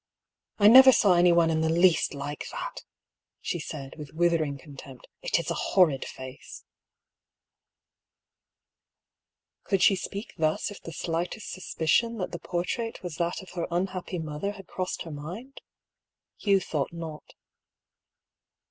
" I never saw any one in the least like that !" she said, with withering contempt. " It is a horrid face !" Could she speak thus if the slightest suspicion that the portrait was that of her unhappy mother had crossed her mind ? Hugh thought not.